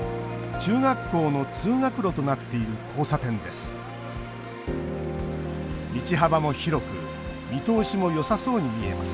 中学校の通学路となっている交差点です。